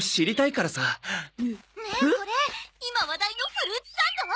ねえこれ今話題のフルーツサンド？